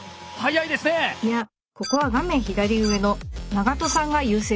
いやここは画面左上の長渡さんが優勢です！